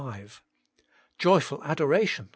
5), joyful Adoration (ch.